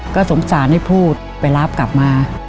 ก็สงสารให้พูดไปรับกลับมา